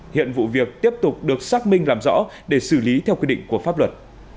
hiện vụ việc tiếp tục được xác minh làm rõ để xử lý theo quy định của pháp luật